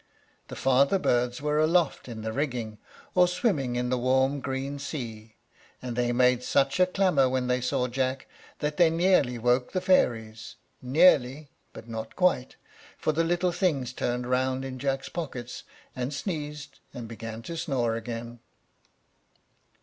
The father birds were aloft in the rigging, or swimming in the warm, green sea, and they made such a clamor when they saw Jack that they nearly woke the fairies, nearly, but not quite, for the little things turned round in Jack's pockets, and sneezed, and began to snore again.